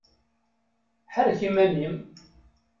Ḥerrek iman-im!